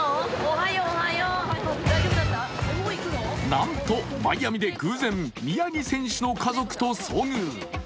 なんと、マイアミで偶然宮城選手の家族と遭遇。